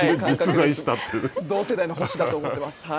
同世代の星だと思っています。